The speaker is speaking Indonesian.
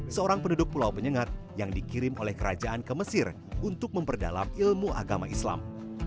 seorang penduduk pulau penyengat yang dikirim oleh kerajaan ke mesir untuk memperdalam ilmu agama islam